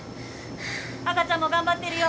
赤ちゃんも頑張ってるよ